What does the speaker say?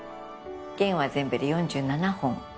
弦は全部で４７本。